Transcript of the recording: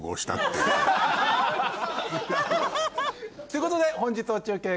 ということで本日の中継